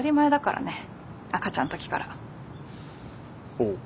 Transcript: おう。